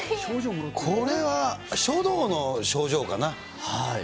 これは書道の賞状かな。